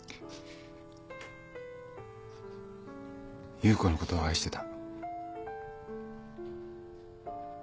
優子のことを愛してた。